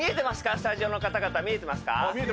スタジオの方々見えてますか？